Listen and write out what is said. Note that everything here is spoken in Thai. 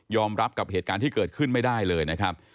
รับกับเหตุการณ์ที่เกิดขึ้นไม่ได้เลยนะครับ